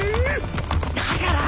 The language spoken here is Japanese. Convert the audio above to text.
だから！